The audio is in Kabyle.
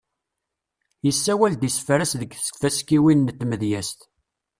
Yessawal-d isefra-s deg tfaskiwin n tmedyezt.